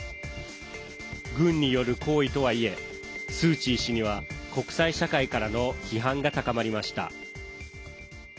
軍による行為とはいえスー・チー氏には国際社会からの批判が高まりました。